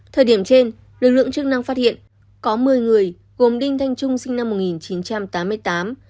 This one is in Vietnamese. thời điểm trên lực lượng chức năng phát hiện có một mươi người gồm đinh thanh trung sinh năm một nghìn chín trăm tám mươi tám